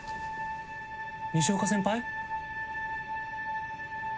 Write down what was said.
西岡先輩？